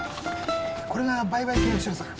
これが売買契約書ですが。